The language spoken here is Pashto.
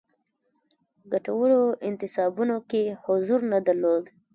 ګټورو انتصابونو کې حضور نه درلود.